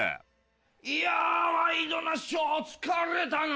いや『ワイドナショー』疲れたな。